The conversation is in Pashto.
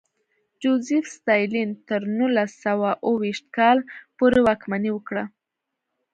جوزېف ستالین تر نولس سوه اوه ویشت کال پورې واکمني وکړه.